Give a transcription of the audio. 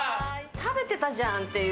食べてたじゃんっていう。